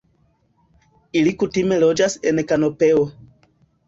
Ili kutime loĝas en kanopeo.